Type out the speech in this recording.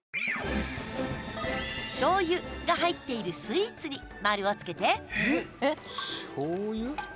「しょうゆ」が入っているスイーツに丸をつけて！